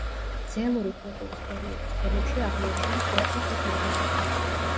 ძელური კულტურის პერიოდის ფენებში აღმოაჩინეს ოთხი ქვის ნაგებობა.